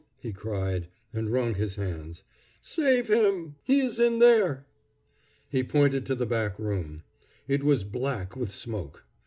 he cried, and wrung his hands. "Save him! He is in there." He pointed to the back room. It was black with smoke.